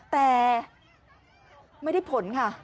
แต่ไม่ได้ผลค่ะ